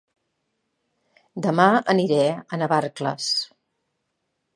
Dema aniré a Navarcles